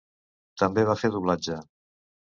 També va fer doblatge.